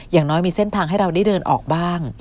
อย่างน้อยมีเส้นทางให้เราได้เดินออกบ้าง